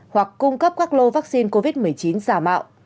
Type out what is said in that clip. hoặc cung cấp các lô vaccine covid một mươi chín giả mạo